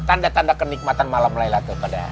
tanda tanda kenikmatan malam laylatul qadar